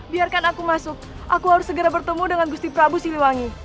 biarkan aku masuk aku harus segera bertemu dengan gusti prabu siliwangi